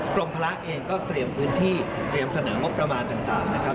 พระเองก็เตรียมพื้นที่เตรียมเสนองบประมาณต่างนะครับ